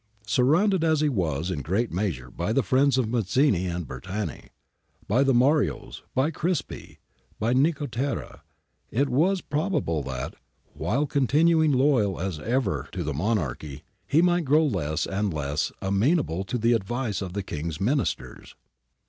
Surrounded as he was in great measure by the friends of Mazzini and Bertani, by the Marios, by Crispi, by Nicotera, it was probable that, while continuing loyal as ever to the monarchy, he might grow less and less amenable to the advice of the King's Ministers.